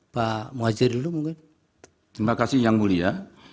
pak muhajir dulu mungkin terima kasih yang mulia